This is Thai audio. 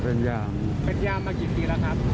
เป็นยามมากี่ปีแล้วครับ